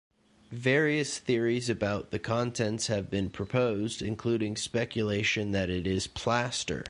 Various theories about the contents have been proposed, including speculation that it is plaster.